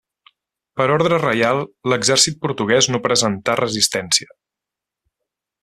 Per ordre reial, l'exèrcit portuguès no presentà resistència.